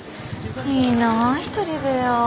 いいなぁ一人部屋。